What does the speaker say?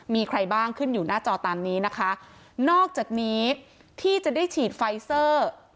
มีใครบ้างขึ้นอยู่หน้าจอตามนี้นะคะนอกจากนี้ที่จะได้ฉีดไฟเซอร์